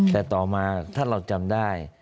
แต่ต่อมาถ้าเราจำได้